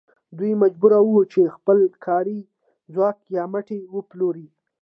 دوی مجبور وو چې خپل کاري ځواک یا مټ وپلوري